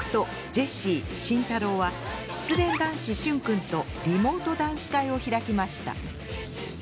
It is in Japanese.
ジェシー慎太郎は失恋男子シュンくんとリモート男子会を開きました。